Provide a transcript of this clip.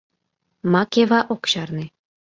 — Макева ок чарне.